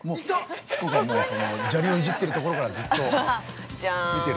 ◆ヒコが砂利をいじってるところからずっと見てる。